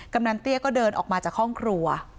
กำนันเตี้ยก็เดินออกมาจากห้องครัว